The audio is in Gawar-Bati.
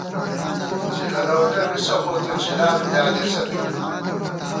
چِلہ لؤٹہ بِسہ، خو تُو چِلا بی پیانېسہ نئی